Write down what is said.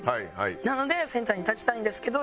なので「センターに立ちたいんですけど」